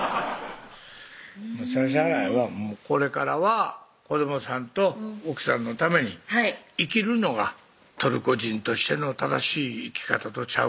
そらしゃあないわこれからは子どもさんと奥さんのために生きるのがトルコ人としての正しい生き方とちゃうか？